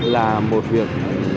là một việc